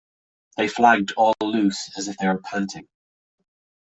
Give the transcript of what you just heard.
They flagged all loose, as if they were panting.